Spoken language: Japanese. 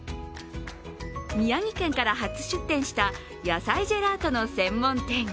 宮城県から初出店した野菜ジェラートの専門店。